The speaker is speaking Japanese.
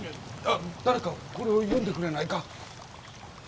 誰かこれを読んでくれないか？